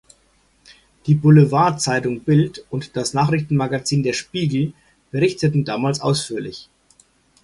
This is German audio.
Die Boulevardzeitung Bild und das Nachrichtenmagazin Der Spiegel berichteten damals ausführlich.